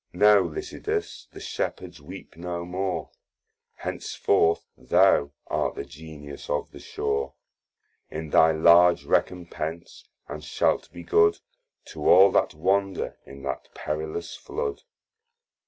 Now Lycidas the Shepherds weep no more; Hence forth thou art the Genius of the shore, In thy large recompense, and shalt be good To all that wander in that perilous flood.